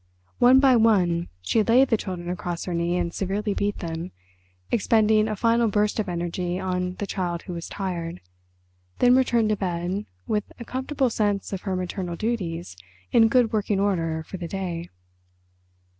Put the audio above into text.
One by one she laid the children across her knee and severely beat them, expending a final burst of energy on the Child Who Was Tired, then returned to bed, with a comfortable sense of her maternal duties in good working order for the day.